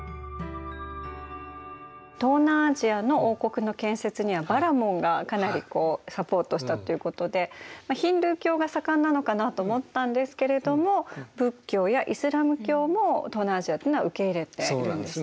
東南アジアの王国の建設にはバラモンがかなりこうサポートしたということでヒンドゥー教が盛んなのかなと思ったんですけれども仏教やイスラーム教も東南アジアというのは受け入れているんですね。